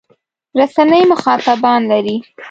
رسنۍ مخاطبان لري.